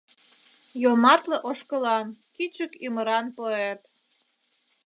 Йомартле ошкылан, кӱчык ӱмыран поэт